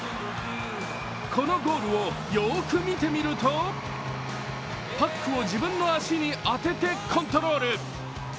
このゴールをよく見てみるとパックを自分の足に当ててコントロール。